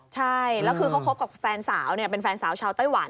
ใช่แล้วคือเขาคบกับแฟนสาวเป็นแฟนสาวชาวไต้หวัน